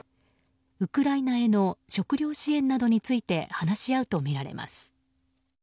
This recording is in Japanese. ウクライナへの食料支援などについて話し合うとみられます。